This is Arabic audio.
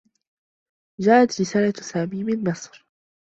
جاءت رسالة سامي من مصر.